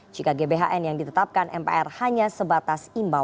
jika gbhn yang ditetapkan mpr hanya sebatas imbauan